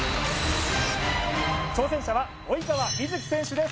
挑戦者は及川瑞基選手です